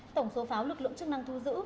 tổng số pháo lực lượng chức năng thu giữ